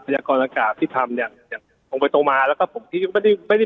พยากรราศาสตร์ที่ทำเนี้ยถมไปตรงมาแล้วก็ที่ไม่ได้ไม่ได้